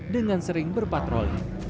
dengan sering berpatroli